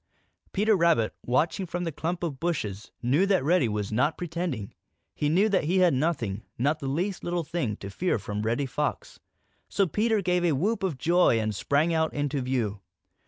Peter Rabbit, watching from the clump of bushes, knew then that Reddy was not pretending. He knew that he had nothing, not the least little thing, to fear from Reddy Fox. So Peter gave a whoop of joy and sprang out into view.